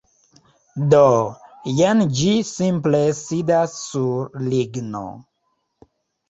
Do, jen ĝi simple sidas sur ligno